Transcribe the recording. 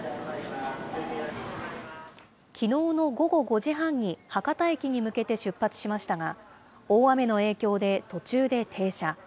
きのうの午後５時半に、博多駅に向けて出発しましたが、大雨の影響で途中で停車。